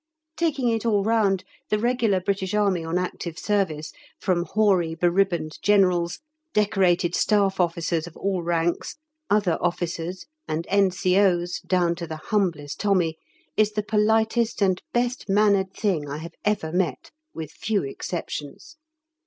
Taking it all round, the Regular British Army on Active Service from hoary, beribboned Generals, decorated Staff Officers of all ranks, other officers, and N.C.O.'s down to the humblest Tommy is the politest and best mannered thing I have ever met, with few exceptions.